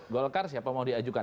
golkar siapa mau diajukan